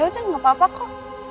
udah gak apa apa kok